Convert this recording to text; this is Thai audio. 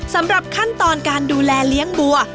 สำหรับขั้นตอนการดูแลเลี้ยงบัว